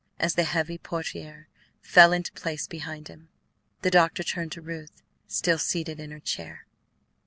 As the heavy portiere fell into place behind him, the doctor turned to Ruth, still seated in her chair.